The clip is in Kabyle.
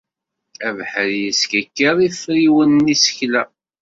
Abeḥri yeskikiḍ iferriwen n yisekla.